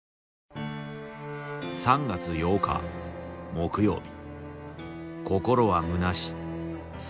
三月八日木曜日。